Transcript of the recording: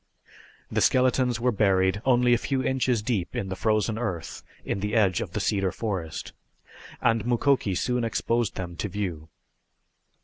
The skeletons were buried only a few inches deep in the frozen earth in the edge of the cedar forest, and Mukoki soon exposed them to view.